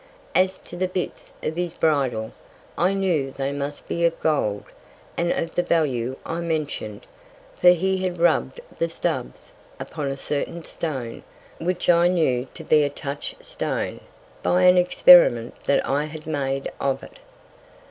As to the Bits of his Bridle, I knew they must be of Gold, and of the Value I mention'd; for he had rubb'd the Studs upon a certain Stone, which I knew to be a Touch stone, by an Experiment that I had made of it.